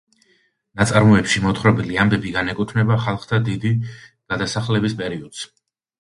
ნაწარმოებში მოთხრობილი ამბები განეკუთვნება ხალხთა დიდი გადასახლების პერიოდს.